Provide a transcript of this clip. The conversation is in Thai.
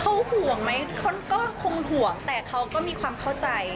เขาห่วงไหมเขาก็คงห่วงแต่เขาก็มีความเข้าใจ